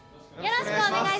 よろしくお願いします。